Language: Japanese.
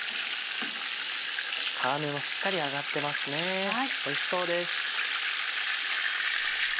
皮目もしっかり揚がってますねおいしそうです。